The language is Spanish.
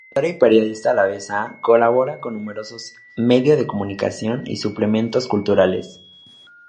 Escritora y periodista alavesa, colabora con numerosos medio de comunicación y suplementos culturales.